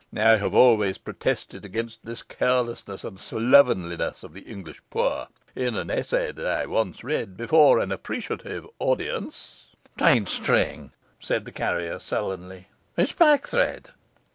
I have always protested against this carelessness and slovenliness of the English poor. In an essay that I once read before an appreciative audience ' 'It ain't string,' said the carrier sullenly, 'it's pack thread.